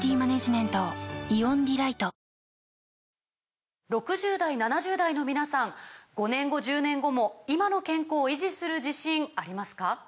また今度、６０代７０代の皆さん５年後１０年後も今の健康維持する自信ありますか？